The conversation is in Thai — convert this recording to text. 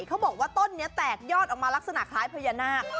เขาบอกว่าต้นนี้แตกยอดออกมาลักษณะคล้ายพญานาค